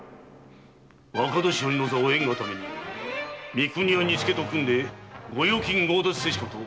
若年寄の座を得んがために三国屋と組んで御用金を強奪せしこと明白！